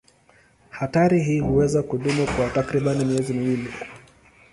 Hatari hii huweza kudumu kwa takriban miezi miwili.